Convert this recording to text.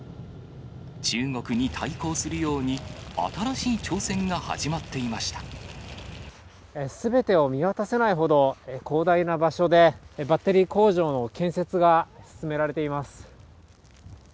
中国に対抗するように、すべてを見渡せないほど広大な場所で、バッテリー工場の建設が進められています。